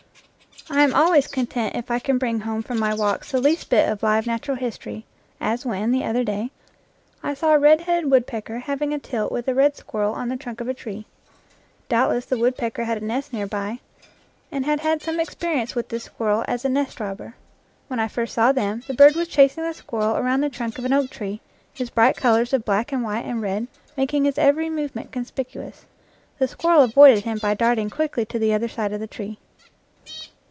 I am always content if I can bring home from my walks the least bit of live natural history, as when, the other day, I saw a red headed woodpecker hav ing a tilt with a red squirrel on the trunk of a tree. Doubtless the woodpecker had a nest near by, and IN FIELD AND WOOD had had some experience with this squirrel as a nest robber. When I first saw them, the bird was chasing the squirrel around the trunk of an oak tree, his bright colors of black and white and red making his every movement conspicuous. The squirrel avoided him by darting quickly to the other side of the tree.